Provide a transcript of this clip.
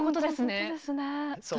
本当ですね。